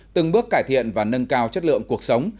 từng bước cải thiện và nâng cao chất lượng cuộc sống